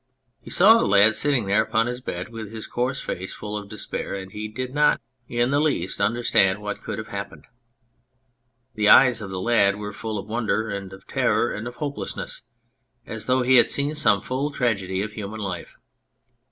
He saw the lad sitting there upon his bed with his coarse face full of despair, and he did not .in the least understand what could have happened. The eyes of the lad Avere as full of wonder and of terror and of hopelessness as though he had seen some full tragedy of human life.